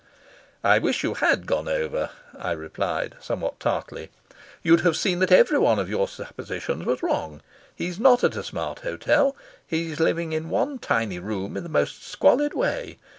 "I wish you had gone over," I replied, somewhat tartly. "You'd have seen that every one of your suppositions was wrong. He's not at a smart hotel. He's living in one tiny room in the most squalid way.